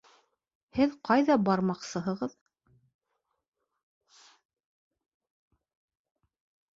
Һеҙ ҡайҙа бармаҡсыһығыҙ?